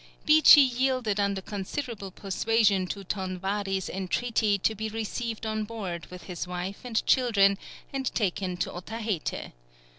Beechey yielded under considerable persuasion to Ton Wari's entreaty to be received on board with his wife and children and taken to Otaheite.